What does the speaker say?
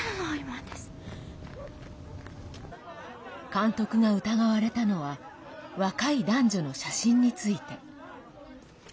監督が疑われたのは若い男女の写真について。